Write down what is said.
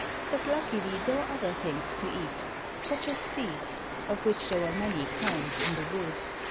But luckily there were other things to eat such as seeds, of which there were many kinds in the woods.